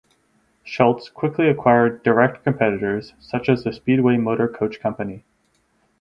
Schultz quickly acquired direct competitors such as the Speedway Motor Coach Company.